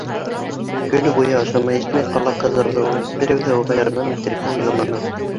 Көнө буйы ашамай-эсмәй ҡала ҡыҙырҙы ул. Берәү ҙә уға ярҙам итергә уйламаны.